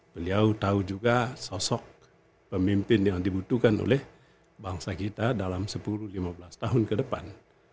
beliau tahu juga sosok pemimpin yang dibutuhkan oleh bangsa kita dalam sepuluh lima belas tahun ke depan